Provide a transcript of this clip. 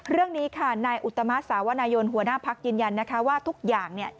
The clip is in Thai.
เรื่องนี้ค่ะนายอุตมะสาวนายนหัวหน้าพักยืนยันนะคะว่าทุกอย่างเนี่ย